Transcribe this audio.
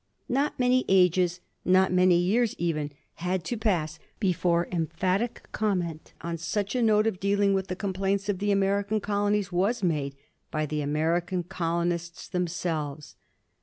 Not many ages, not many years even, had to pass before emphatic comment on such a mode of dealing with the complaints of the American colonies was made by the American colonists themselves.